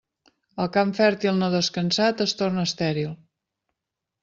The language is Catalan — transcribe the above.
El camp fèrtil no descansat es torna estèril.